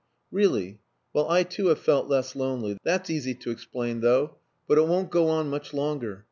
"Really? Well, I too have felt less lonely. That's easy to explain, though. But it won't go on much longer.